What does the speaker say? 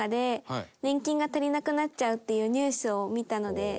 っていうニュースを見たので。